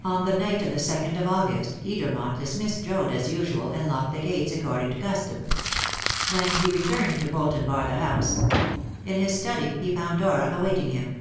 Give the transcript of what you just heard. On the night of the second of August, Edermont dismissed Joad as usual, and locked the gates according to custom. Then he returned to bolt and bar the house. In his study he found Dora awaiting him.